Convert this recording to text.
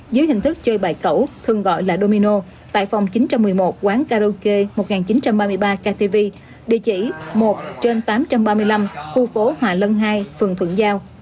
dưới hình thức chơi bài cẩu thường gọi là domino tại phòng chín trăm một mươi một quán karaoke một nghìn chín trăm ba mươi ba ktv địa chỉ một trên tám trăm ba mươi năm khu phố hòa lân hai phường thuận giao